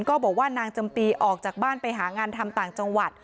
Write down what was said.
บอกว่านางจำปีออกจากบ้านไปหางานทำต่างจังหวัด